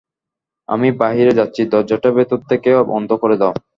আমি বাহিরে যাচ্ছি, দরজাটা ভেতর থেকে বন্ধ করে দাও।